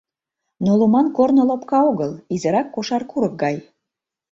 Но луман корно лопка огыл, изирак кошар курык гай.